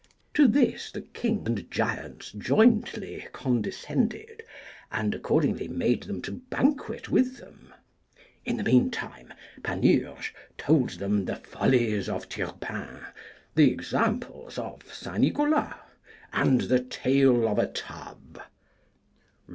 To this the king and giants jointly condescended, and accordingly made them to banquet with them. In the meantime Panurge told them the follies of Turpin, the examples of St. Nicholas, and the tale of a tub.